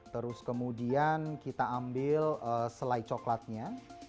terus kemudian kita ambil selai coklatnya